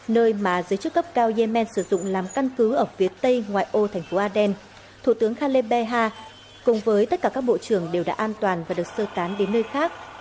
nơi mà giới chức cấp cao yemen sử dụng làm căn cứ ở phía tây ngoại ô thành phố aden thủ tướng khaled beha cùng với tất cả các bộ trưởng đều đã an toàn và được sơ tán đến nơi khác